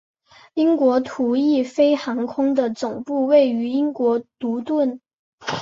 英国途易飞航空的总部位于英国卢顿。